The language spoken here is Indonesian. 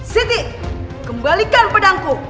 siti kembalikan pedangku